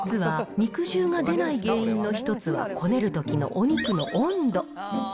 実は、肉汁が出ない原因の１つはこねるときのお肉の温度。